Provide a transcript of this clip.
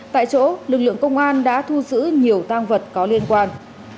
tại chỗ lực lượng công an đã thu giữ nhiều tăng vật có liên quan